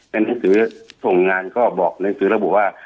ในหน้าสือส่งงานก็บอกในหน้าสือระบบว่า